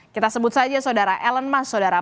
kita sebut saja saudara ellen mas saudara